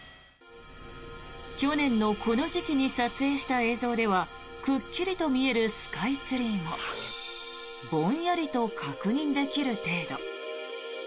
去年のこの時期に撮影した映像ではくっきりと見えるスカイツリーもぼんやりと確認できる程度。